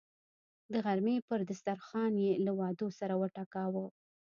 د غرمې پر دسترخان یې له وعدو سر وټکاوه.